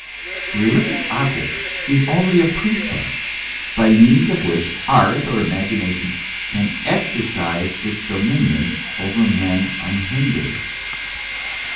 The religious object is only a pretext, by means of which art or imagination can exercise its dominion over men unhindered.